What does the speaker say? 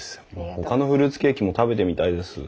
ほかのフルーツケーキも食べてみたいです。